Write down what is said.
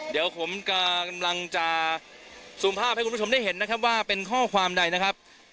เดี๋ยวผมกำลังจะซูมภาพให้คุณผู้ชมได้เห็นนะครับว่าเป็นข้อความใดนะครับ